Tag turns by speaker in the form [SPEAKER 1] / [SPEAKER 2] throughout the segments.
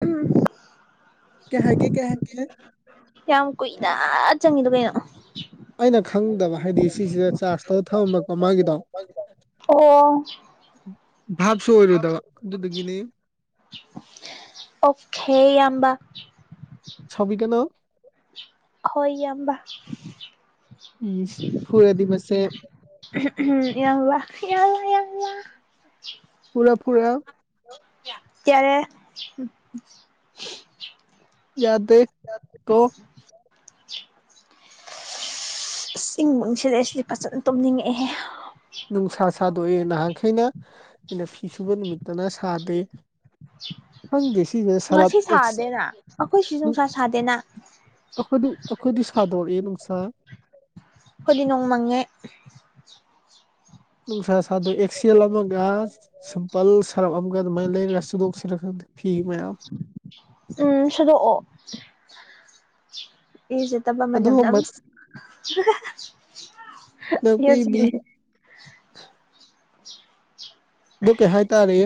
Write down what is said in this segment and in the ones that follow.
[SPEAKER 1] ꯎꯝ
[SPEAKER 2] ꯀꯩ ꯍꯥꯏꯒꯦ ꯀꯩ ꯍꯥꯏꯒꯦ
[SPEAKER 1] ꯌꯥꯝ ꯀꯨꯏꯅ ꯆꯪꯉꯤꯗꯣ ꯀꯩꯅꯣ
[SPEAKER 2] ꯑꯩꯅ ꯈꯪꯗꯕ ꯍꯥꯏꯗꯤ ꯁꯤꯖꯤꯗ ꯆꯥꯔꯖ ꯇꯧꯔ ꯊꯝꯃꯝꯕꯀꯣ ꯃꯥꯒꯤꯗꯣ
[SPEAKER 1] ꯑꯣ
[SPEAKER 2] ꯚꯥꯞꯁꯨ ꯑꯣꯏꯔꯨꯗꯕ ꯑꯗꯨꯗꯨꯒꯤꯅꯤ
[SPEAKER 1] ꯑꯣꯛꯈꯦ ꯏꯌꯥꯝꯕ
[SPEAKER 2] ꯁꯥꯎꯕꯤꯒꯅꯣ
[SPEAKER 1] ꯍꯣꯏ ꯏꯌꯥꯝꯕ
[SPEAKER 2] ꯎꯝ ꯐꯨꯔꯗꯤ ꯃꯁꯦ
[SPEAKER 1] ꯌꯥꯔꯕꯣ ꯌꯥꯔꯕꯣ ꯌꯥꯔꯕꯣ
[SPEAKER 2] ꯐꯨꯔꯦ ꯐꯨꯔꯦ
[SPEAKER 1] ꯌꯥꯔꯦ
[SPEAKER 2] ꯌꯥꯗꯦ ꯀꯣ
[SPEAKER 1] ꯏꯁ ꯏꯡꯕꯡ ꯁꯤꯔꯦ ꯁꯤꯗꯤ ꯐꯖꯅ ꯇꯨꯝꯅꯤꯡꯉꯛꯑꯦꯍꯦ
[SPEAKER 2] ꯅꯨꯡꯁꯥ ꯁꯥꯗꯣꯛꯑꯦ ꯅꯍꯥꯟꯈꯩꯅ ꯑꯩꯅ ꯐꯤꯁꯨꯕ ꯅꯨꯃꯤꯠꯇꯅ ꯁꯥꯗꯦ ꯈꯪꯗꯦ ꯁꯤꯁꯤꯅ ꯁꯔꯞ
[SPEAKER 1] ꯉꯁꯤ
[SPEAKER 2] ꯑꯦꯛꯁ
[SPEAKER 1] ꯁꯥꯗꯦꯅ ꯑꯩꯈꯣꯏ ꯁꯤ ꯅꯨꯡꯁꯥ ꯁꯥꯗꯦꯅ
[SPEAKER 2] ꯑꯩꯈꯣꯏꯗꯤ ꯑꯩꯈꯣꯏꯗꯤ ꯁꯥꯗꯣꯔꯛꯑꯦ ꯅꯨꯡꯁꯥ
[SPEAKER 1] ꯑꯈꯣꯏꯗꯤ ꯅꯣꯡ ꯃꯪꯉꯦ
[SPEAKER 2] ꯅꯨꯡꯁꯥ ꯁꯗꯣꯛꯑꯦ ꯑꯦꯛꯁꯦꯜ ꯑꯃꯒ ꯁꯤꯝꯄꯜ ꯁꯔꯞ ꯑꯃꯒ ꯑꯗꯨꯃꯥꯏꯅ ꯂꯩꯔꯒ ꯁꯨꯗꯣꯛꯁꯤꯔ ꯈꯪꯗꯦ ꯐꯤ ꯃꯌꯥꯝ
[SPEAKER 1] ꯎꯝ ꯁꯨꯗꯣꯛꯑꯣ ꯏꯔꯨꯖꯗꯕ
[SPEAKER 2] ꯑꯗꯣ
[SPEAKER 1] ꯃꯅꯝ ꯅꯝꯁ ꯑꯌꯣ
[SPEAKER 2] ꯅꯥꯄꯤꯕꯤ
[SPEAKER 1] ꯁꯤꯔꯦ
[SPEAKER 2] ꯑꯗꯨ ꯀꯩ ꯍꯥꯏꯇꯥꯔꯦ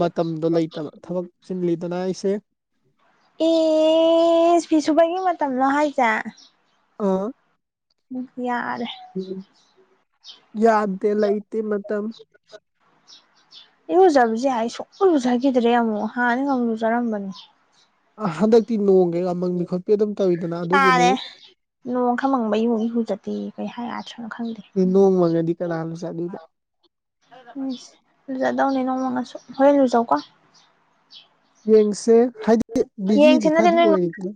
[SPEAKER 2] ꯃꯇꯝꯗꯣ ꯂꯩꯇꯕ ꯊꯕꯛ ꯆꯤꯜꯂꯤꯗꯅ ꯑꯩꯁꯦ
[SPEAKER 1] ꯏꯁ ꯐꯤ ꯁꯨꯕꯒꯤ ꯃꯇꯝꯂꯣ ꯍꯥꯏꯁꯦ
[SPEAKER 2] ꯑ
[SPEAKER 1] ꯎꯝ ꯌꯥꯔꯦ
[SPEAKER 2] ꯎꯝ ꯌꯥꯗꯦ ꯂꯩꯇꯦ ꯃꯇꯝ
[SPEAKER 1] ꯏꯔꯨꯖꯕꯖꯦ ꯑꯩ ꯁꯨꯡꯎꯟ ꯂꯨꯖꯒꯤꯗ꯭ꯔꯦ ꯑꯃꯨꯛ ꯍꯥꯟꯅꯗꯤ ꯈꯔꯕꯨ ꯂꯨꯖꯔꯝꯕꯅꯤ
[SPEAKER 2] ꯑ ꯍꯟꯗꯛꯇꯤ ꯅꯣꯡꯒꯩꯒꯥ ꯃꯪꯕꯤ ꯈꯣꯠꯄꯤ ꯑꯗꯨꯝ ꯇꯧꯋꯤꯗꯅ ꯑꯗꯨꯒꯤꯅꯤ
[SPEAKER 1] ꯇꯥꯔꯦ ꯅꯣꯡ ꯈꯔ ꯃꯪꯕꯩꯕꯨ ꯃꯨꯛ ꯏꯔꯨꯖꯗꯦꯌꯦ ꯀꯩ ꯍꯥꯏ ꯑꯊ꯭ꯔꯅꯣ ꯈꯪꯗꯦ
[SPEAKER 2] ꯏ ꯅꯣꯡ ꯃꯡꯉꯗꯤ ꯀꯅꯥꯅ ꯂꯨꯖꯕꯤꯕꯥ
[SPEAKER 1] ꯎꯝ ꯂꯨꯖꯗꯧꯅꯤ ꯅꯣꯡꯃꯡꯉꯁꯨ ꯍꯣꯔꯦꯟ ꯂꯨꯖꯧꯀꯣ
[SPEAKER 2] ꯌꯦꯡꯁꯦ ꯍꯥꯏꯗꯤ ꯕꯤꯖꯤꯗꯤ
[SPEAKER 1] ꯌꯦꯡꯁꯤꯅꯗꯤ
[SPEAKER 2] ꯈꯔꯗꯤ
[SPEAKER 1] ꯅꯣꯏ
[SPEAKER 2] ꯑꯣꯏꯔꯤꯗꯅ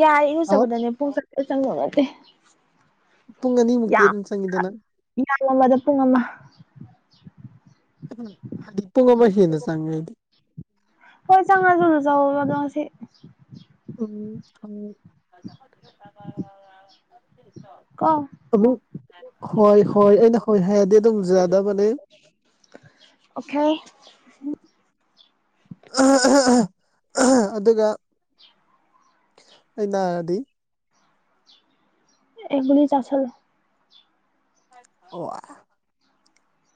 [SPEAKER 1] ꯌꯥꯔꯦ
[SPEAKER 2] ꯍꯥꯎ
[SPEAKER 1] ꯏꯔꯨꯖꯕꯗꯅꯦ ꯄꯨꯡ ꯑꯦ ꯆ ꯉꯠꯇꯦ
[SPEAKER 2] ꯄꯨꯡ ꯑꯅꯤꯃꯛꯇꯤ ꯑꯗꯨꯆꯪꯏꯗꯅ
[SPEAKER 1] ꯏꯔꯂꯝꯝꯕꯗ ꯄꯨꯡ ꯑꯃ
[SPEAKER 2] ꯍꯥꯏꯗꯤ ꯄꯨꯡ ꯑꯃ ꯍꯦꯟꯅ ꯆꯪꯉꯗꯤ
[SPEAKER 1] ꯍꯣꯏ ꯆꯥꯡꯉꯂ ꯑꯗꯨ ꯆꯥꯡꯍꯧꯔꫭꯗ ꯉꯥꯁꯤ
[SPEAKER 2] ꯎꯝ ꯎ
[SPEAKER 1] ꯀꫭ
[SPEAKER 2] ꯍꯣꯏ ꯍꯣꯏ ꯑꯩꯅ ꯍꯣꯏ ꯍꯥꯏꯔꯗꯤ ꯑꯗꯨꯝ ꯌꯥꯗꯕꯅꯦ
[SPEAKER 1] ꯑꯣꯀꯦ
[SPEAKER 2] ꯑꯗꯨꯒ ꯑꯩꯅꯗꯤ
[SPEAKER 1] ꯑꯦ ꯒꯨꯂꯤ ꯆꯥꯁꯜꯂꯣ
[SPEAKER 2] ꯑꯣꯑꯥ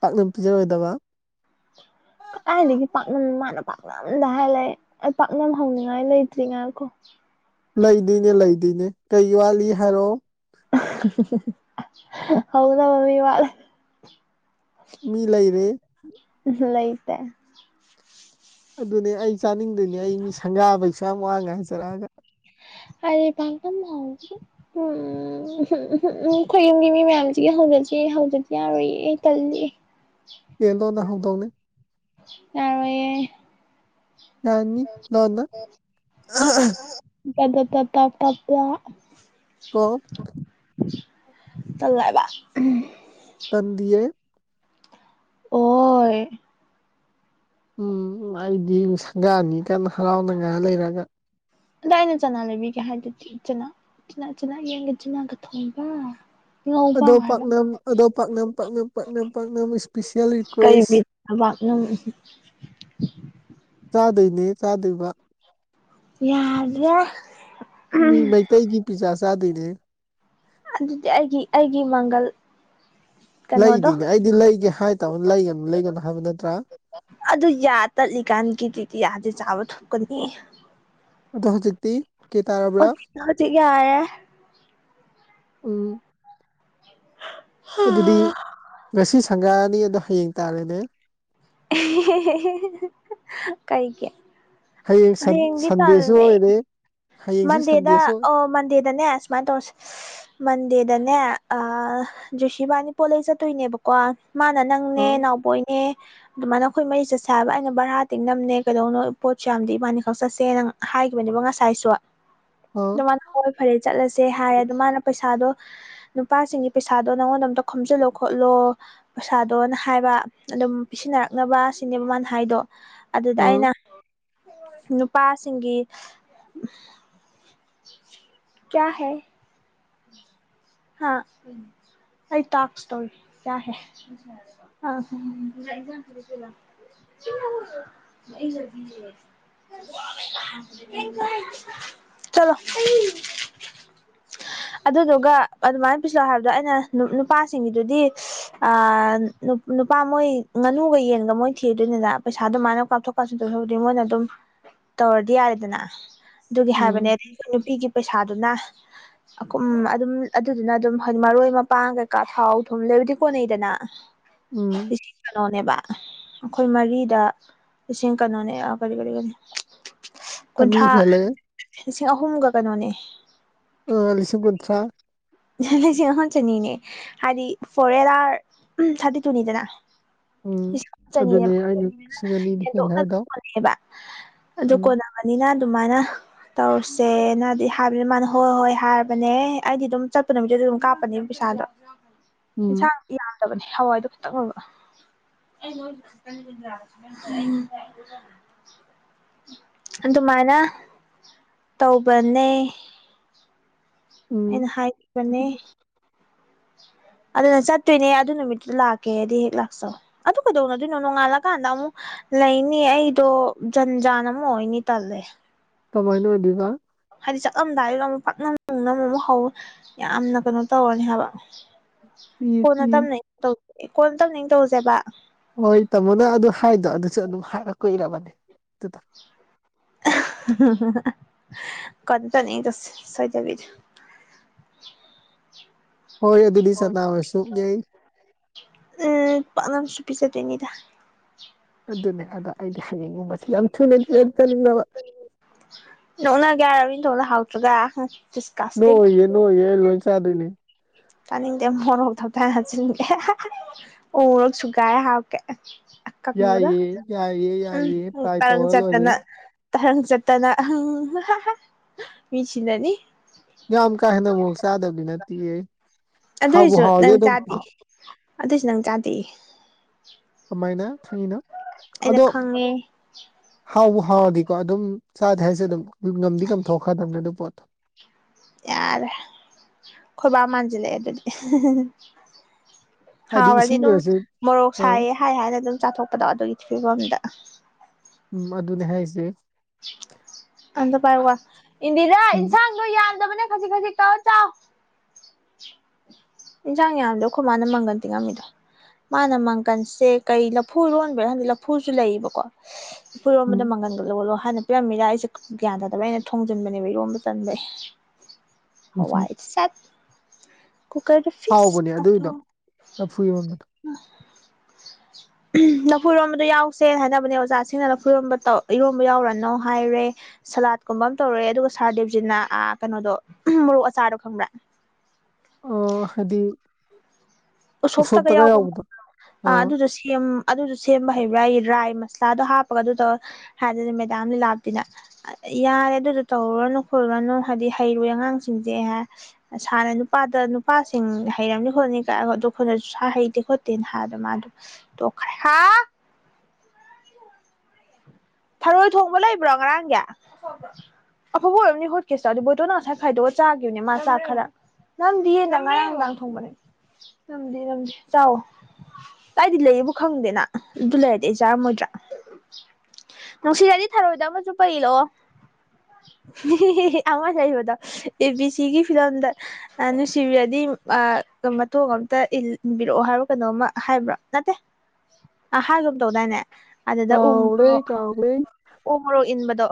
[SPEAKER 2] ꯄꯥꯛꯅꯝ ꯄꯤꯖꯔꯣꯏꯗꯕ
[SPEAKER 1] ꯀꯔꯥꯏꯗꯒꯤ ꯄꯥꯛꯅꯝ ꯃꯥꯅ ꯄꯥꯛꯅꯝꯗ ꯍꯥꯏ ꯂꯩ ꯑꯩ ꯄꯥꯛꯅꯝ ꯍꯧꯅꯤꯡꯉꯥꯏ ꯂꯩꯇ꯭ꯔꯤ ꯉꯥꯏꯈꯣ
[SPEAKER 2] ꯂꯩꯗꯣꯏꯅꯦ ꯂꯩꯗꯣꯏꯅꯦ ꯀꯩ ꯋꯥꯠꯂꯤ ꯍꯥꯏꯔꯣ
[SPEAKER 1] ꯍꯜꯖꯕ ꯃꯤ ꯋꯥꯠꯂꯦ
[SPEAKER 2] ꯃꯤ ꯂꯩꯔꯦ
[SPEAKER 1] ꯂꯩꯇꯦ
[SPEAKER 2] ꯑꯗꯨꯅꯦ ꯑꯩ ꯆꯥꯅꯤꯡꯗꯣꯏꯅꯦ ꯑꯩ ꯃꯤ ꯁꯪꯒꯥꯕꯩꯁꯨ ꯑꯁꯨꯛ ꯌꯥꯝ ꯋꯥꯅ ꯉꯥꯏꯖꯔꯛꯑꯒ
[SPEAKER 1] ꯑ ꯄ ꯇꯝ ꯍꯖꯤ ꯎꯝ ꯎꯝ ꯎꯝ ꯎꯝꯝ ꯎꯝ ꯈꯣꯏꯌꯨꯝꯒꯤ ꯃꯤ ꯃꯌꯥꯝꯁꯤꯒꯤ ꯍꯧꯖꯤꯠꯁꯤ ꯍꯧꯖꯤ ꯌꯥꯔꯣꯏꯌꯦ ꯑꯩ ꯇꯜꯜꯂꯤ
[SPEAKER 2] ꯌꯦꯗꯣ ꯅꯅꯥ ꯍꯗꯧꯅꯦ
[SPEAKER 1] ꯌꯔꫭꯏꯑ
[SPEAKER 2] ꯌꯥꯅꯤ ꯂꯣꯟꯅ
[SPEAKER 1] ꯇꯗ ꯇꯠꯇ ꯄꯥꯄꯥ
[SPEAKER 2] ꯀꯣ
[SPEAKER 1] ꯇꯥꯜꯂꯦꯏꯕ
[SPEAKER 2] ꯇꯥꯟꯗꯤꯌꯦ
[SPEAKER 1] ꯑꯣ
[SPEAKER 2] ꯎꯝ ꯑꯩꯗꯤ ꯁꯪꯒꯥꯅꯤ ꯀꯟꯅ ꯍꯔꯥꯎꯅꯉꯥꯏ ꯂꯩꯔꯒ
[SPEAKER 1] ꯑꯗꯥ ꯑꯩꯅ ꯆꯅꯥ ꯂꯩꯕꯤꯒꯦ ꯍꯥꯏꯔꯗꯨꯗꯤ ꯆꯅꯥ ꯌꯦꯟꯒ ꯆꯤꯅꯥꯒ ꯊꯣꯡꯕ ꯉꯧꯕ
[SPEAKER 2] ꯑꯗꯣꯝ
[SPEAKER 1] ꯍꯥꯏꯕ
[SPEAKER 2] ꯄꯥꯛꯅꯝ ꯑꯗꯣ ꯄꯥꯛꯅꯝ ꯄꯥꯛꯅꯝ ꯄꯥꯛꯅꯝ ꯄꯥꯛꯅꯝ ꯏꯁꯄꯤꯁꯦꯜ ꯔꯤꯀ꯭ꯋꯦꯁ
[SPEAKER 1] ꯑꯕꯅꯪ [unintelligible]
[SPEAKER 2] ꯆꯥꯗꯣꯏꯅꯦ ꯆꯥꯗꯣꯏꯕꯥ
[SPEAKER 1] ꯌꯥꯗ꯭ꯔꯦ
[SPEAKER 2] ꯃꯤ ꯃꯩꯇꯩꯒꯤ ꯄꯤꯖꯥ ꯆꯥꯗꯣꯏꯅꯦꯍꯦ
[SPEAKER 1] ꯑꯗꯨꯗꯤ ꯑꯩꯒꯤ ꯑꯩꯒꯤ ꯃꯪꯒꯜ ꯀꯩꯅꯣꯗꯣ
[SPEAKER 2] ꯂꯩꯗꯨꯏꯅꯦ ꯑꯩꯗꯤ ꯂꯩꯒꯦ ꯍꯥꯏꯇꯥꯕ ꯂꯩꯒꯥꯅꯨ ꯂꯩꯒꯥꯅꯨ ꯍꯥꯏꯕ ꯅꯠꯇ꯭ꯔꯥ
[SPEAKER 1] ꯑꯗꯨ ꯌꯥ ꯇꯠꯂꯤꯀꯥꯟꯒꯤꯗꯨꯗꯤ ꯌꯥꯗꯥ ꯆꯥꯕ ꯊꯨꯞꯀꯥꯅꯤ
[SPEAKER 2] ꯑꯗꯣ ꯍꯧꯖꯤꯛꯇꯤ ꯑꯣꯀꯦ ꯇꯥꯔꯕ꯭ꯔꯥ
[SPEAKER 1] ꯍꯧꯖꯤꯛ ꯌꯥꯔꯦ
[SPEAKER 2] ꯎꯝ ꯑꯗꯨꯗꯤ ꯉꯁꯤ ꯁꯪꯒꯥꯅꯤ ꯑꯗꯣ ꯍꯌꯦꯡ ꯇꯥꯔꯦꯅꯦ
[SPEAKER 1] ꯑꯦ ꯀꯩꯒꯤ
[SPEAKER 2] ꯍꯌꯦꯡ ꯁꯟ
[SPEAKER 1] ꯍꯌꯦꯗꯤ
[SPEAKER 2] ꯁꯟꯗꯦꯁꯨ
[SPEAKER 1] ꯇꯜꯅꯦ
[SPEAKER 2] ꯑꯣꯏꯔꯦ ꯍꯌꯦꯡꯁꯨ
[SPEAKER 1] ꯃꯟꯗꯦꯗ
[SPEAKER 2] ꯁꯟꯗꯦꯁꯨ
[SPEAKER 1] ꯑꯣ ꯃꯟꯗꯦꯗꯅꯦꯁ ꯁꯨꯃꯥꯏꯅ ꯇꯧꯁ ꯃꯟꯗꯦꯗꯅꯦ ꯖꯨꯁꯤꯏꯕꯥꯅꯤꯄꯣꯠꯂ ꯆꯠꯇꯣꯏꯅꯦꯕꯀꯣ ꯀꯣ ꯃꯥꯅ ꯅꯪꯅꯦ
[SPEAKER 2] ꯑꯣꯏ
[SPEAKER 1] ꯅꯥꯎꯕꯣꯏꯅꯦ ꯑꯗꯨꯃꯥꯏꯅ ꯑꯩꯈꯣꯏ ꯃꯔꯤ ꯆꯠꯁꯦ ꯍꯥꯏꯕ ꯑꯩꯅ ꯚꯔꯥꯇꯤꯛ ꯅꯝꯅꯦ ꯀꯩꯅꯣ ꯄꯣꯠꯁꯨ ꯌꯥꯝꯗꯤ ꯏꯕꯥꯅꯤ ꯈꯛ ꯆꯠꯁꯦ ꯅꯪ ꯍꯥꯏꯈꯤꯕꯅꯦꯕꯣ ꯉꯁꯥꯏꯁꯨ
[SPEAKER 2] ꯑꯥ ꯑꯥ
[SPEAKER 1] ꯍꯣꯏ ꯐꯔꯦ ꯆꯠꯂꯁꯦ ꯍꯥꯏ ꯑꯗ ꯃꯥꯅ ꯄꯩꯁꯥꯗꯣ ꯅꯨꯄꯥꯁꯤꯡꯒꯤ ꯄꯩꯁꯥꯗꯣ ꯅꯪꯉꯣꯟꯗ ꯑꯝꯇꯥ ꯈꯣꯝꯖꯤꯜꯂꯣ ꯈꯣꯠꯂꯣ ꯄꯩꯁꯥꯗꯣꯅ ꯍꯥꯏꯕ ꯑꯗꯨꯝ ꯄꯤꯁꯤꯟꯅꯔꯛꯅꯕ ꯁꯤꯅꯦꯕ ꯃꯥꯅ ꯍꯥꯏꯗꯣ ꯑꯗꯨꯗ
[SPEAKER 2] ꯑꯥ
[SPEAKER 1] ꯑꯩꯅ ꯅꯨꯄꯥꯁꯤꯡꯒꯤ ꯀꯌꯥ ꯍꯦ ꯍꯥ ꯑꯩ ꯇꯥꯛꯁ ꯇꯧꯔꯤ ꯀꯌꯥꯍꯦ ꯑ [unintelligible] [unintelligible] ꯆꯠꯂꯣ ꯑꯗꯨꯗꯨꯒ ꯑꯗꯨꯃꯥꯏꯅ ꯄꯤꯖꯥ ꯍꯥꯏꯕꯗꯣ ꯑꯩꯅ ꯅꯨꯄꯥꯁꯤꯡꯒꯤꯗꯨꯗꯤ ꯑ ꯅꯨꯄꯥ ꯃꯣꯏ ꯉꯥꯅꯨꯒ ꯌꯦꯟꯒ ꯃꯣꯏ ꯊꯤꯔꯨꯗꯣꯏꯅꯤꯅ ꯄꯩꯁꯥ ꯑꯗꯨꯃꯥꯏꯅ ꯀꯥꯞꯊꯣꯛ ꯅꯗꯣꯏ ꯕꯨꯗꯤ ꯃꯣꯏꯅ ꯑꯗꯨꯝ ꯇꯧꯔꯗꯤ ꯌꯥꯔꯦꯗꯅ ꯑꯗꯨꯒꯤ ꯍꯥꯏꯕꯅꯦ
[SPEAKER 2] ꯎꯝ
[SPEAKER 1] ꯅꯨꯄꯤꯒꯤ ꯄꯩꯁꯥꯗꯨꯅ ꯑꯀꯥꯝ ꯑꯗꯨꯝ ꯑꯗꯨꯗꯨꯅ ꯑꯗꯨꯝ ꯍꯣꯏ ꯃꯥꯔꯣꯏ ꯃꯄꯥꯡ ꯀꯩꯀꯥ ꯊꯥꯎ ꯊꯨꯝ ꯂꯩꯕꯗꯤ ꯀꯣꯟꯅꯩꯗꯅ
[SPEAKER 2] ꯎꯝ
[SPEAKER 1] ꯀꯩꯅꯣꯅꯦꯕꯥ ꯑꯩꯈꯣꯏ ꯃꯔꯤꯗ ꯂꯤꯁꯤꯡ ꯀꯩꯅꯣꯅꯦ ꯀꯔꯤ ꯀꯔꯤ ꯀꯔꯤ
[SPEAKER 2] ꯑꯅꯤ
[SPEAKER 1] ꯀꯨꯟꯊ꯭ꯔꯥ
[SPEAKER 2] ꯍꯦꯜꯂꯦ
[SPEAKER 1] ꯂꯤꯁꯤꯡ ꯑꯍꯨꯝꯒ ꯀꯩꯅꯣꯅꯦ
[SPEAKER 2] ꯑꯥ ꯂꯤꯁꯤꯡ ꯀꯨꯟꯊ꯭ꯔꯥ
[SPEAKER 1] ꯂꯤꯁꯤꯡ ꯑꯃꯥ ꯆꯥꯅꯤꯅꯦ ꯍꯥꯏꯗꯤ ꯐꯣꯔꯦꯂꯥꯔ ꯊꯥꯔꯇꯤ ꯇꯨꯅꯤꯗꯅ
[SPEAKER 2] ꯎꯝ
[SPEAKER 1] ꯂꯤꯁꯤꯡ ꯑꯃ
[SPEAKER 2] ꯑꯗꯨꯅꯦ
[SPEAKER 1] ꯆꯥꯅꯤꯅꯦꯕ
[SPEAKER 2] ꯑꯩꯅ ꯂꯤꯁꯤꯡ ꯑꯅꯤꯅꯤ ꯍꯦꯜꯂꯦ
[SPEAKER 1] ꯍꯦꯟꯗꯣꯛꯅ
[SPEAKER 2] ꯍꯥꯏꯗꯣ
[SPEAKER 1] ꯀꯣꯟꯅꯩꯕꯥ ꯑꯗꯨ
[SPEAKER 2] ꯎꯝ
[SPEAKER 1] ꯀꯣꯟꯅꯕ ꯕꯅꯤꯅ ꯑꯗꯨꯃꯥꯏꯅ ꯇꯧꯔꯥꯁꯦꯅꯗꯤ ꯍꯥꯏꯕꯅꯦ ꯃꯥꯅ ꯍꯣꯏ ꯍꯣꯏ ꯍꯥꯏꯔꯕꯅꯦ ꯑꯩꯗꯤ ꯑꯗꯨꯝ ꯆꯠ ꯄ ꯅꯨꯃꯤꯠꯇꯨꯗ ꯑꯗꯨꯝ ꯀꯥꯞꯄꯅꯤꯕ ꯄꯩꯁꯥꯗꯣ
[SPEAKER 2] ꯎꯝ
[SPEAKER 1] ꯏꯟꯁꯥꯡ ꯌꯥꯝꯗꯥꯕꯅꯦ ꯍꯋꯥꯏꯗꯣ ꯈꯤꯇꯪ ꯑꯣꯏꯕ [unintelligible] ꯑꯗꯨꯃꯥꯏꯅ ꯇꯧꯕꯥꯅꯦ
[SPEAKER 2] ꯎꯝ
[SPEAKER 1] ꯑꯩꯅ ꯍꯥꯏꯈꯤꯕꯅꯦ ꯑꯗꯨꯅ ꯆꯠꯇ꯭ꯔꯤꯅꯦ ꯑꯗꯨ ꯅꯨꯃꯤꯠꯇꯨꯗ ꯂꯥꯛꯀꯦꯗꯤ ꯍꯦꯛ ꯂꯥꯛꯆꯧ ꯑꯗꯨ ꯀꯩꯗꯧꯅꯗꯣꯏꯅꯣ ꯅꯣꯡꯉꯥꯜꯂꯥꯀꯥꯟꯗ ꯑꯃꯨꯛ ꯂꯩꯅꯤ ꯑꯩꯗꯣ ꯖꯟ ꯖꯥꯟ ꯑꯃꯨꯛ ꯑꯣꯏꯅꯤ ꯇꯜꯂꯦ
[SPEAKER 2] ꯀꯃꯥꯏꯅ ꯑꯣꯏꯗꯣꯏꯕ
[SPEAKER 1] ꯍꯥꯏꯗꯤ ꯆꯠꯂꯝꯗꯥꯏꯗꯨꯗ ꯑꯃꯨꯛ ꯄꯥꯛꯅꯝ ꯑꯃꯨꯛ ꯅꯝ ꯑꯃꯨꯛ ꯍꯧ ꯌꯥꯝꯅ ꯀꯩꯅꯣ ꯇꯧꯔꯥꯅꯤ ꯍꯥꯏꯕ
[SPEAKER 2] ꯄꯤꯁ
[SPEAKER 1] ꯀꯣꯟꯅ
[SPEAKER 2] ꯄꯤꯁ
[SPEAKER 1] ꯇꯞꯅ ꯏꯪꯅ ꯇꯧꯁꯦ ꯀꯣꯟꯅ ꯇꯝꯅ ꯏꯪꯅ ꯇꯧꯔꯥꯁꯦꯕꯥ
[SPEAKER 2] ꯍꯣꯏ ꯇꯥꯃꯣꯅ ꯑꯗꯨ ꯍꯥꯏꯗꯣ ꯑꯗꯨꯁꯨ ꯑꯗꯨꯝ ꯍꯥꯏꯕ ꯀꯨꯏꯔꯥꯕꯅꯦ ꯑꯗꯨꯗꯣ
[SPEAKER 1] ꯀꯗ ꯇꯅꯤ ꯆ ꯁꯣꯏꯗꯥꯕꯤꯗ [unintelligible]
[SPEAKER 2] ꯍꯣꯏ ꯑꯗꯨꯗꯤ ꯆꯥꯅꯥ ꯑꯣꯏꯔꯁꯨ ꯌꯥꯏ
[SPEAKER 1] ꯎ ꯄꯥꯅꯝꯁꯨꯄꯤꯤꯁꯦ ꯇꯣꯏꯅꯤꯗ
[SPEAKER 2] ꯑꯗꯨꯅꯦ ꯑꯗ ꯑꯩꯗꯤ ꯍꯌꯦꯡꯅꯤꯡꯕꯁꯤ ꯌꯥꯝ ꯊꯨꯅꯗꯤ ꯆꯠ ꯆꯅꯤꯡꯗꯕ
[SPEAKER 1] ꯅꯪꯅ ꯒꯌꯥꯔꯟ ꯊꯧꯅ ꯍꯥꯎꯇ꯭ꯔꯒ
[SPEAKER 2] ꯅꯣꯏ
[SPEAKER 1] ꯗꯤꯁꯀꯥꯁꯇꯤꯡ
[SPEAKER 2] ꯑꯣꯏꯌꯦꯦ ꯅꯣꯏꯌꯦꯦ ꯑꯩ ꯂꯣꯏ ꯆꯥꯗꯣꯏꯅꯤ
[SPEAKER 1] ꯇꯅꯤꯡꯗ ꯃꯣꯔꯧ ꯊꯕ ꯊꯖꯤꯦ ꯎꯔꯛꯁꯨꯨꯒꯥꯏ ꯍꯥꯎꯀꯦ ꯀꯪꯕꯗ
[SPEAKER 2] ꯌꯥꯏꯌꯦ ꯌꯥꯏꯌꯦ
[SPEAKER 1] ꯎꯝ
[SPEAKER 2] ꯌꯥꯏꯌꯦ
[SPEAKER 1] ꯑꯃꯨꯛ
[SPEAKER 2] ꯇ꯭ꯔꯥꯏ
[SPEAKER 1] ꯇꯥꯔꯪ
[SPEAKER 2] ꯇꯧꯔ
[SPEAKER 1] ꯆꯠꯇꯥꯅ
[SPEAKER 2] ꯂꯣꯏꯔꯦ
[SPEAKER 1] ꯇꯥꯔꯪ ꯆꯠꯇꯅ ꯃꯤ ꯁꯤꯅꯥꯅꯤ
[SPEAKER 2] ꯌꯥꯝ ꯀꯥ ꯍꯦꯟꯅ ꯃꯣꯔꯣꯛ ꯆꯥꯗꯕꯗꯤ ꯅꯠꯇꯤꯌꯦ ꯍꯥꯎꯕꯨ ꯍꯥꯎꯔꯗꯤ ꯑꯗꯨꯝ
[SPEAKER 1] ꯑꯗꯨ ꯑꯣꯏꯁꯨ ꯅꯪ ꯆꯥꯗꯤꯌꯦ
[SPEAKER 2] ꯀꯃꯥꯏꯅ ꯈꯪꯉꯤꯅꯣ
[SPEAKER 1] ꯑꯩꯅ ꯈꯪꯉꯦ
[SPEAKER 2] ꯍꯥꯎꯕ ꯍꯥꯎꯔꯗꯤꯀꯣ ꯑꯗꯨꯝ ꯆꯥꯗꯦ ꯍꯥꯏꯁꯦ ꯑꯗꯨꯝ ꯉꯝꯗꯤ ꯀꯝꯊꯣꯛꯈ꯭ꯔꯗꯕꯅꯦ ꯑꯗꯨ ꯄꯣꯠ
[SPEAKER 1] ꯌꯥꯔ ꯈꯣꯏꯕ ꯃꯥꯟꯖ ꯂꯦꯦ ꯑꯗꯨꯗꯤ
[SPEAKER 2] ꯍꯥꯏꯗꯤ
[SPEAKER 1] ꯍꯥꯎꯔꯗꯤ
[SPEAKER 2] ꯏꯁꯤꯡꯗ
[SPEAKER 1] ꯑꯗꯨꯝ
[SPEAKER 2] ꯑꯣꯏꯔꯁꯨ
[SPEAKER 1] ꯃꯣꯔꯣꯛ
[SPEAKER 2] ꯑꯥ
[SPEAKER 1] ꯁꯥꯏꯌꯦ ꯍꯥꯏ ꯍꯥꯏꯅ ꯑꯗꯨꯝ ꯆꯥꯊꯣꯛꯄꯗꯣ ꯑꯗꯨꯒꯤ ꯐꯤꯕꯝꯗ
[SPEAKER 2] ꯎꯝ ꯑꯗꯨꯅꯦ ꯍꯥꯏꯁꯦ
[SPEAKER 1] ꯑꯗ ꯄꯔ ꯋꯥ ꯏꯟꯗꯤꯔꯥ
[SPEAKER 2] ꯎꯝ
[SPEAKER 1] ꯏꯟꯁꯥꯡꯗꯣ ꯌꯥꯗꯕꯅꯦ ꯈꯖꯤꯛ ꯈꯖꯤꯛ ꯀꯥꯎꯥꯎ ꯏꯟꯁꯥꯡ ꯌꯥꯝꯗꯣ ꯑꯩꯈꯣꯏ ꯃꯥꯅ ꯃꯪꯒꯟ ꯇꯤꯡꯉꯝꯃꯤꯗꯣ ꯃꯥꯅ ꯃꯪꯒꯟꯁꯦ ꯀꯩ ꯂꯐꯨ ꯂꯣꯟꯕꯦ ꯍꯪꯗꯗꯤ ꯂꯐꯨꯁꯨ ꯂꯩꯌꯦꯕꯀꯣ ꯐꯣ ꯃꯗ
[SPEAKER 2] ꯎꯝ
[SPEAKER 1] ꯃꯪꯒꯅꯒ ꯂꯒꯣ ꯍꯥꯟ ꯄꯤꯔꯝꯃꯤꯔ ꯑꯩꯁꯦ ꯒ꯭ꯌꯥꯟ ꯇꯥꯗꯕ ꯑꯩꯅ ꯊꯣꯡꯖꯤꯟꯕꯅꯦꯕ ꯏꯔꯣꯝꯗ ꯆꯟꯕꯩ
[SPEAKER 2] ꯎꯝꯍꯨꯝ
[SPEAKER 1] ꯍꯋꯥ ꯁꯥ ꯀ
[SPEAKER 2] ꯍꯥꯎꯕꯅꯦ ꯑꯗꯨꯏꯗꯣ ꯂꯐꯨ ꯏꯔꯣꯟꯕꯗꯣ
[SPEAKER 1] ꯂꯐꯨꯔꯣꯝꯕꯗꯣ ꯌꯥꯎꯁꯦꯅ ꯍꯥꯏꯅꯕꯅꯦ ꯑꯣꯖꯥꯁꯤꯡꯅ ꯂꯐꯨꯔꯣꯟꯝꯕ ꯇꯧ ꯏꯔꯣꯝꯕ ꯌꯥꯎꯔꯅꯣ ꯍꯥꯏꯔꯦ ꯁꯂꯥꯠꯀꯨꯝꯕ ꯑꯃ ꯇꯧꯔꯑꯦ ꯑꯗꯨꯒ ꯁꯍꯔꯗꯦꯞꯖꯤꯅ ꯀꯩꯅꯣꯗꯣ ꯃꯣꯔꯣꯛ ꯑꯆꯥꯗꯣ ꯈꯪꯕ꯭ꯔꯥ
[SPEAKER 2] ꯑꯣ ꯍꯥꯏꯗꯤ
[SPEAKER 1] ꯎꯁꯣꯞꯇꯒ ꯌꯥꯎꯕ ꯑ
[SPEAKER 2] ꯑꯥ
[SPEAKER 1] ꯑꯗꯨꯗꯣ ꯁꯦꯝ ꯑꯗꯨꯁꯨ ꯁꯦꯝꯕ ꯍꯩꯕ꯭ꯔꯥ ꯑꯩ ꯔꯥꯏ ꯃꯁꯂꯥꯗꯣ ꯍꯥꯞꯄꯒ ꯑꯗꯨ ꯇꯧꯔ ꯍꯥꯏꯗꯗꯤ ꯃꯦꯗꯥꯝ ꯂꯤ ꯂꯥꯞꯇꯤꯅ ꯌꯥꯔꯦ ꯑꯗꯨꯗꯣ ꯇꯧꯔꯨꯔꯅꯨ ꯈꯣꯏꯠꯔꯨꯔꯅꯨ ꯍꯥꯏꯗꯤ ꯍꯩꯔꯨꯦ ꯑꯉꯥꯡꯁꯤꯡꯁꯦꯍ ꯁꯥꯟꯅ ꯅꯨꯄꯥꯗ ꯅꯨꯄꯥꯁꯤꯡ ꯍꯩꯔꯝꯅꯤ ꯈꯣꯠꯅꯤ ꯀ ꯑꯩꯈꯣꯏꯅꯁꯨ ꯁꯥ ꯍꯩꯇꯦ ꯈꯣꯠꯇꯦꯅ ꯍꯥꯏꯗ ꯃꯥꯗꯣ ꯇꯣꯛꯈ꯭ꯔꯦ ꯊꯔꯣꯏ ꯊꯣꯡꯕ ꯂꯩꯕ꯭ꯔꯣ ꯉꯔꯥꯡꯒꯤ ꯑꯐꯕ ꯑꯣꯏꯔꯕꯅꯤ ꯍꯣꯠꯀꯁꯣ ꯑꯗꯨ ꯕꯣꯏꯗꯣꯅ ꯉꯁꯥꯏ ꯈꯥꯏꯗꯣꯛꯑ ꯆꯥꯈꯤꯕꯅꯦ ꯃꯥ ꯆꯥꯛ ꯈꯔ ꯅꯝꯗꯤꯌꯦꯦꯅ ꯃꯔꯔꯥꯡ ꯂꯥꯡ ꯊꯣꯡꯕꯅꯦ ꯅꯝꯗꯦ ꯅꯝꯗꯦ ꯆꯥꯎꯋꯣ ꯇꯥꯏꯗꯤ ꯂꯩꯌꯦꯕꯨ ꯈꯪꯗꯦꯅ ꯑꯗꯨ ꯂꯩꯔꯗꯤ ꯑꯩ ꯆꯥꯔꯝꯃꯣꯏꯗ꯭ꯔꯥ ꯅꯨꯡꯁꯤꯗꯗꯤ ꯊꯥꯔꯣꯏꯗꯕ ꯑꯃꯁꯨ ꯄꯩ ꯂꯛꯑꯣ ꯑꯃ ꯂꯩꯕꯗꯣ ꯑꯦꯕꯤ ꯁꯤꯒꯤ ꯐꯤꯂꯝꯂꯝꯗ ꯅꯨꯡꯁꯤꯕꯤꯔꯗꯤ ꯃꯇꯣꯡ ꯑꯝꯇ ꯏꯟꯕꯤꯔꯛꯑꯣ ꯍꯥꯏꯕ ꯀꯩꯅꯣꯝꯃ ꯍꯥꯏꯕ꯭ꯔꯥ ꯅꯠꯇꯦ ꯑ ꯍꯥꯏꯒꯨꯝ ꯇꯧꯗꯥꯏꯅꯦ ꯑꯗꯨꯗ
[SPEAKER 2] ꯀꯥꯎꯔꯦ
[SPEAKER 1] ꯎꯪꯗꯣ
[SPEAKER 2] ꯀꯥꯎꯔꯦ
[SPEAKER 1] ꯑꯣ ꯍꯣꯔꯣꯛ ꯏꯟꯕꯗꯣ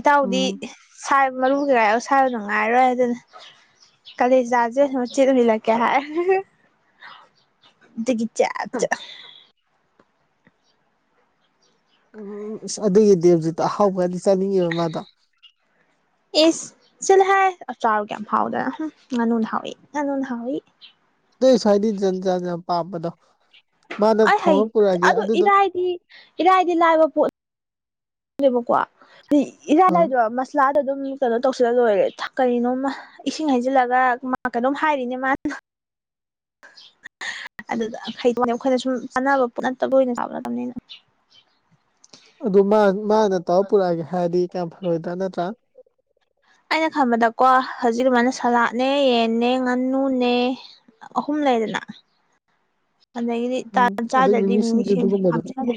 [SPEAKER 1] ꯏꯇꯥꯎꯗꯤ
[SPEAKER 2] ꯎꯝ
[SPEAKER 1] ꯥꯏꯕ ꯃꯔꯨ ꯀ ꯀꯥꯏ ꯁꯥꯏꯕꯗꯨꯅꯨꯡ ꯉꯥꯏꯔꯣꯏ ꯍꯥꯏ ꯑꯗꯨꯅꯦ ꯀꯂ ꯆꯥꯖꯦ ꯎꯆ ꯆꯠ ꯃꯂꯛ ꯀꯦ ꯍꯥꯏ ꯆ ꯆ
[SPEAKER 2] ꯎꯝ ꯏꯁꯁ ꯑꯗꯨꯒꯤꯗꯤꯦ ꯍꯧꯖꯤꯛꯇ ꯑꯍꯥꯎꯕꯗꯤ ꯆꯥꯅꯤꯡꯉꯦꯕ ꯃꯥꯗ
[SPEAKER 1] ꯑꯦ ꯁꯤꯜ ꯍꯥꯏ ꯆꯔ ꯀꯌꯥꯝ ꯍꯥꯎꯗꯅ ꯉꯥꯅꯨꯅ ꯍꯥꯎꯏ ꯉꯥꯅꯨꯅ ꯍꯥꯎꯏ
[SPEAKER 2] ꯑꯗꯇꯩ ꯁ꯭ꯋꯥꯏꯗꯤ ꯖꯟ ꯖꯠ ꯌꯥꯝ ꯄꯥꯝꯕꯗꯣ ꯃꯥꯅ
[SPEAKER 1] ꯑꯩ ꯍꯩ
[SPEAKER 2] ꯊꯣꯡꯉ ꯄꯨꯔꯛꯑꯒꯦ
[SPEAKER 1] ꯑꯗꯨ
[SPEAKER 2] ꯑꯗꯨꯗꯣ
[SPEAKER 1] ꯏꯔꯥꯏꯗꯤ ꯏꯔꯥꯏꯗꯤ ꯂꯥꯏꯕ ꯄꯣꯠ ꯦꯕꯀꯣ ꯍꯥꯏꯗꯤ
[SPEAKER 2] ꯑꯥ
[SPEAKER 1] ꯏꯔꯥꯏꯅꯥꯏꯗꯣ ꯃꯁꯂꯥꯗꯣ ꯑꯗꯨꯝ ꯀꯩꯅꯣ ꯇꯧꯁꯤꯜꯂ ꯂꯣꯏꯔꯦ ꯀꯔꯤꯅꯣꯝꯃ ꯏꯁꯤꯡ ꯍꯩꯖꯤꯜꯂꯒ ꯃꯥ ꯀꯩꯅꯣꯝ ꯍꯥꯏꯔꯤꯅꯦ ꯃꯥꯅ ꯑꯗꯨꯗ ꯈꯩꯗꯣꯛꯅꯦ ꯑꯩꯈꯣꯏꯅ ꯁꯨꯝ ꯆꯥꯟꯅꯕ ꯄꯅꯠꯇ ꯂꯣꯏꯅ ꯆꯥꯕꯠꯅꯕꯅꯤꯅ
[SPEAKER 2] ꯑꯗꯨ ꯃꯥꯅ ꯇꯧꯔ ꯄꯨꯔꯛꯑꯒꯦ ꯍꯥꯏꯔꯗꯤ ꯀꯌꯥꯝ ꯐꯔꯣꯏꯗ꯭ꯔꯥ ꯅꯠꯇ꯭ꯔꯥ
[SPEAKER 1] ꯑꯩꯅ ꯈꯟꯕꯗꯀꯣ ꯍꯧꯖꯤꯛ ꯑꯗꯨꯃꯥꯏꯅ ꯁꯂꯥꯠꯅꯦ ꯌꯦꯟꯅꯦ ꯉꯥꯅꯨꯅꯦ ꯑꯍꯨꯝ ꯂꯩꯗꯅ ꯑꯗꯒꯤꯗꯤ
[SPEAKER 2] ꯎꯝ ꯑꯗꯩ
[SPEAKER 1] ꯆꯥꯗ꯭ꯔꯗꯤ
[SPEAKER 2] ꯃꯤꯃꯤ
[SPEAKER 1] ꯃꯤꯁꯤꯡ
[SPEAKER 2] ꯁꯤꯡꯖꯨꯗꯨꯒꯨꯝꯕꯗꯣ
[SPEAKER 1] ꯍꯥꯞꯇꯅꯦ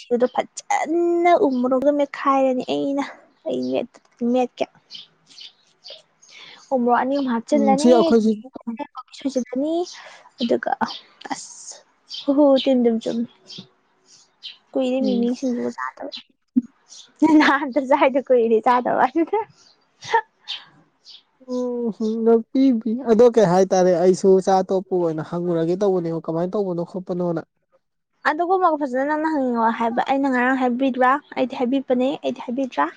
[SPEAKER 1] ꯁꯤꯡꯗꯣ ꯐꯖꯅ ꯎꯃꯨꯔꯣꯒ ꯃꯦꯠꯈꯥꯏꯔꯅꯤ ꯑꯩꯅ ꯑꯩ ꯃꯦꯠ ꯀꯦ ꯎ꯭ꯔꯣ ꯑꯅꯤ
[SPEAKER 2] ꯎꯝ ꯁꯤ
[SPEAKER 1] ꯍꯥꯞꯆꯤꯜꯂꯅꯤ
[SPEAKER 2] ꯑꯩꯈꯣꯏꯁꯤ
[SPEAKER 1] ꯁꯨꯖꯤꯜꯂꯅꯤ ꯑꯗꯨꯒ ꯑ ꯑꯁ ꯍ ꯇꯤꯟ ꯝ ꯆꯨꯝ ꯀꯣꯏꯗꯤ ꯃꯤꯅꯤꯁꯤꯡꯗꯨꯕꯨ ꯁꯥꯥꯗꯕ ꯗ ꯆꯥꯏꯗ ꯀꯣꯏꯅꯤ ꯆꯥꯗ ꯑ ꯋꯥ [inaudible]
[SPEAKER 2] ꯎꯍꯨꯝꯄꯤꯕꯤ ꯑꯗꯣ ꯀꯩ ꯍꯥꯏꯇꯥꯔꯦ ꯑꯩꯁꯨ ꯆꯆꯥ ꯑꯇꯣꯞꯄ ꯑꯣꯏꯅ ꯍꯪꯉꯨꯔꯒꯦ ꯇꯧꯕꯅꯦ ꯀꯃꯥꯏ ꯇꯧꯕꯅꯣ ꯈꯣꯠꯄꯅꯣꯅ
[SPEAKER 1] ꯑꯗꯨꯒꯨꯝꯕꯒ ꯐꯖꯅ ꯅꯪꯅ ꯍꯪꯅꯤꯡꯉꯑꯣ ꯍꯥꯏꯕ ꯑꯩꯅ ꯉꯔꯥꯡ ꯍꯥꯏꯕꯤꯗ꯭ꯔꯥ ꯑꯩꯗꯤ ꯍꯥꯏꯕꯤꯄꯅꯦ ꯑꯩꯗꯤ ꯍꯥꯏꯕꯤꯗ꯭ꯔꯥ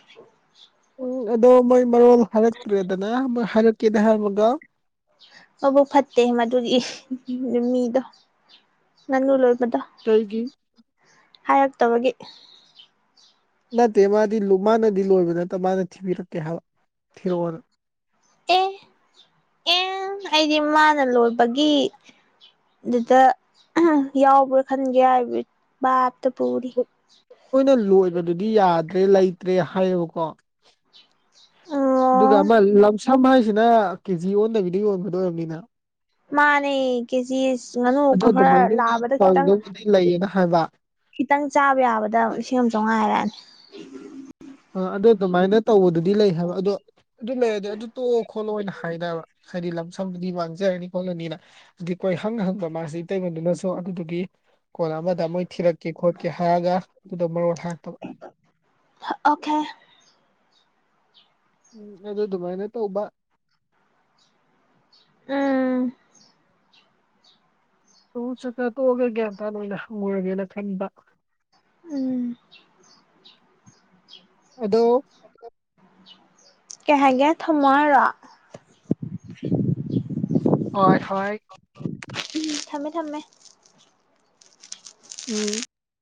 [SPEAKER 2] ꯎꯝ ꯑꯗꯣ ꯃꯣꯏ ꯃꯔꯣꯜ ꯍꯥꯏꯔꯛꯇ꯭ꯔꯦꯗꯅ ꯃꯣꯏ ꯍꯥꯏꯔꯛꯀꯦꯅ ꯍꯥꯏꯔꯝꯃꯒ
[SPEAKER 1] ꯃꯕꯨ ꯐꯠꯇꯦ ꯃꯗꯨꯒꯤ ꯃꯤꯗꯣ ꯉꯪꯅꯨ ꯂꯣꯏꯕꯗꯣ
[SPEAKER 2] ꯇꯩꯒꯤ
[SPEAKER 1] ꯍꯥꯏꯔꯛꯇꯕꯒꯤ
[SPEAKER 2] ꯅꯠꯇꯦ ꯃꯥꯗꯤ ꯃꯥꯅꯗꯤ ꯂꯣꯏꯕ ꯅꯠꯇ ꯃꯥꯅ ꯊꯤꯕꯤꯔꯛꯀꯦ ꯍꯥꯏꯕ ꯊꯤꯔꯛꯑꯣꯅ
[SPEAKER 1] ꯑꯦ ꯑꯦ ꯑꯩꯗꯤ ꯃꯥꯅ ꯂꯣꯏꯕꯒꯤ ꯑꯗꯨꯗ ꯌꯥꯎꯕ꯭ꯔꯥ ꯈꯟꯒꯦ ꯍꯥꯏꯕꯩ ꯚꯥꯞꯇ ꯄꯨꯔꯤ
[SPEAKER 2] ꯑꯈꫭꯏꯅ ꯂꯣꯏꯕꯗꯨꯗꯤ ꯌꯥꯗ꯭ꯔꯦ ꯂꯩꯇ꯭ꯔꯦ ꯍꯥꯏꯌꯦꯕꯀꯣ ꯑꯗꯨꯒ
[SPEAKER 1] ꯑꯣ
[SPEAKER 2] ꯑꯃ ꯂꯝꯁꯝ ꯍꯥꯏꯁꯤꯅ ꯀꯦꯖꯤ ꯑꯣꯟꯕꯤꯗ ꯌꯣꯟꯕꯗꫭ ꯑꯣꯏꯔꯝꯅꯤꯅ
[SPEAKER 1] ꯃꯥꯅꯦ ꯀꯦꯖꯤ ꯉꯥꯅꯨ
[SPEAKER 2] ꯑꯗꯨ
[SPEAKER 1] ꯈꯔ ꯈꯔ
[SPEAKER 2] ꯑꯗꯨꯃꯥꯏꯅ
[SPEAKER 1] ꯂꯥꯕꯗ ꯈꯤꯇꯪ
[SPEAKER 2] ꯇꯧꯗꯕꯨꯗꯤ ꯂꯩꯌꯦꯅ ꯍꯥꯏꯕ
[SPEAKER 1] ꯈꯤꯇꯪ ꯆꯥꯕ ꯌꯥꯕꯗ ꯂꯤꯁꯤꯡ ꯑꯃ ꯆꯥꯝꯉꯥ ꯍꯥꯏꯔꯛꯑꯅꯤ
[SPEAKER 2] ꯑ ꯑꯗꯣ ꯑꯗꯨꯃꯥꯏꯅ ꯇꯧꯕꯗꯨꯗꯤ ꯂꯩ ꯍꯥꯏꯕ ꯑꯗꯣ ꯑꯗꯨ ꯂꯩꯔꯗꯤ ꯑꯗꯨ ꯇꯣꯛꯑꯣ ꯈꯣꯠꯂꯣ ꯑꯣꯏꯅ ꯍꯥꯏꯗꯕ ꯍꯥꯏꯗꯤ ꯁꯝꯕꯨꯗꯤ ꯃꯥꯡꯖꯔꯅꯤ ꯈꯣꯠꯂꯅꯤꯅ ꯑꯗꯨꯗꯤ ꯀꯣꯏ ꯍꯪ ꯍꯪꯕ ꯃꯥꯁꯤ ꯇꯩꯕꯗꯨꯅꯁꯨ ꯑꯗꯨꯗꯨꯒꯤ ꯀꯣꯜ ꯑꯃꯗ ꯃꯣꯏ ꯊꯤꯔꯛꯀꯦ ꯈꯣꯠꯀꯦ ꯍꯥꯏꯔꯒ ꯑꯗꯨꯗꯣ ꯃꯔꯣꯟ ꯍꯥꯏꯔꯛꯇꯕ
[SPEAKER 1] ꯑꯣꯀꯦ
[SPEAKER 2] ꯎꯝ ꯑꯗꯨ ꯑꯗꯨꯃꯥꯏꯅ ꯇꯧꯕ
[SPEAKER 1] ꯎꯝ
[SPEAKER 2] ꯇꯨ ꯆꯠꯆꯥ ꯇꯣꯛꯑꯒ ꯒ꯭ꯌꯥꯟꯇꯥ ꯑꯣꯏꯅ ꯍꯪꯉꯨꯔꯒꯦꯅ ꯈꯟꯕ
[SPEAKER 1] ꯎꯝ
[SPEAKER 2] ꯑꯗꯣ
[SPEAKER 1] ꯀꯩꯍꯥꯏꯒꯦ ꯊꯝꯃꫭ ꯍꯥꯏꯔꫭ
[SPEAKER 2] ꯍꯣꯏ ꯍꯣꯏ
[SPEAKER 1] ꯎꯝ ꯊꯝꯃꯦ ꯊꯝꯃꯦ
[SPEAKER 2] ꯎꯝ